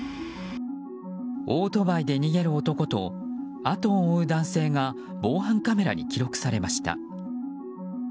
オートバイで逃げる男と後を追う男性が防犯カメラに記録されました。